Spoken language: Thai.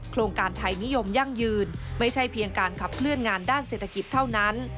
โครงการไทยนิยมยั่งยืนไม่ใช่เพียงการขับเคลื่อนงานด้านเศรษฐกิจเท่านั้น